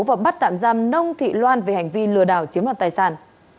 và bắt tạm giam nông thị loan về hành vi lừa đảo chiếm đoạt tài sản